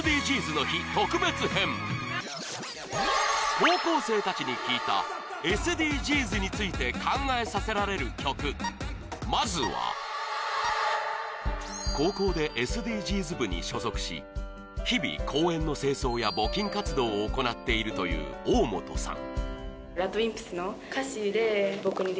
高校生たちに聞いたＳＤＧｓについて考えさせられる曲、まずは高校でＳＤＧｓ部に所属し、日々、公園の清掃や募金活動を行っているという大本さん。